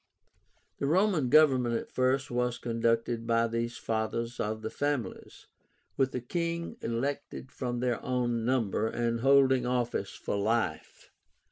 The Roman government at first was conducted by these Fathers of the families, with a KING, elected from their own number, and holding office for life.